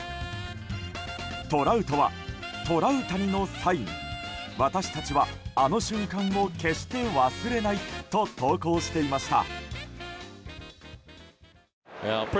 トラウトはトラウタニのサイン私たちは、あの瞬間を決して忘れないと投稿していました。